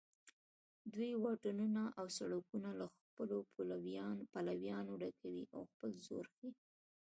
دوی واټونه او سړکونه له خپلو پلویانو ډکوي او خپل زور ښیي